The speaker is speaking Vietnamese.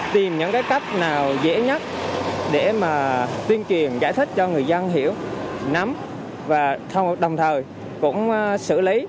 tìm những cái cách nào dễ nhất để mà tuyên truyền giải thích cho người dân hiểu nắm và đồng thời cũng xử lý